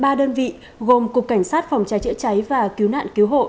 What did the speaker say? đoàn thanh niên ba đơn vị gồm cục cảnh sát phòng cháy chữa cháy và cứu nạn cứu hộ